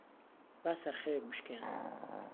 با سەرخەوێک بشکێنم.